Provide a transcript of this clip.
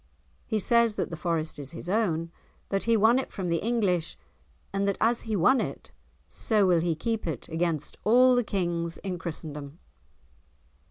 He says that the forest is his own, that he won it from the English, and that as he won it, so will he keep it against all the Kings in Christendom."